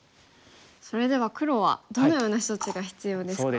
それでは黒はどのような処置が必要ですか？